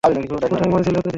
কোথায় মরেছিলে এতোদিন?